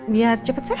biar cepat sembuh